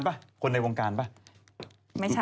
เป็นแฟนเนี่ย